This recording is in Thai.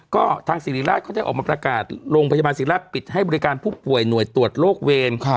ก็ทางสิริราชเขาได้ออกมาประกาศโรงพยาบาลศิราชปิดให้บริการผู้ป่วยหน่วยตรวจโรคเวร